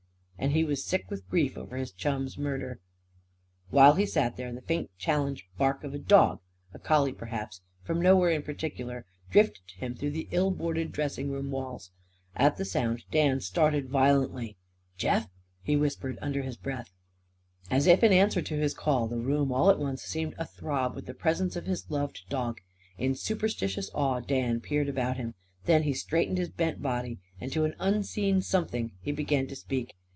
And he was sick with grief over his chum's murder. While he sat there, the faint challenge bark of a dog a collie, perhaps from nowhere in particular, drifted to him through the ill boarded dressing room walls. At the sound Dan started violently. "Jeff?" he whispered under his breath. As if in answer to his call, the room all at once seemed athrob with the presence of his loved dog. In superstitious awe Dan peered about him. Then he straightened his bent body. And to an unseen Something he began to speak.